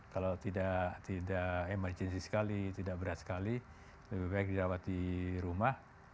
kalau tidak emergensi sekali tidak berat sekali lebih baik dirawat di rumah